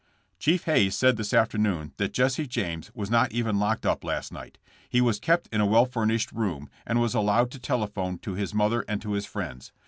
^ ''Chief Hayes said this afternoon that Jesse James was not even locked up last night. He was kept in a well furnished room, and was allowed to telephone to his mother and to his friends.